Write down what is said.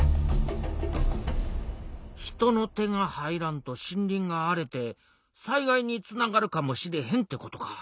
人の手が入らんと森林が荒れて災害につながるかもしれへんってことか。